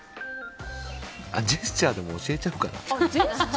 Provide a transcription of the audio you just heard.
ジェスチャーでも教えちゃうかな。